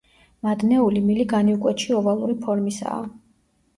მადნეული მილი განივკვეთში ოვალური ფორმისაა.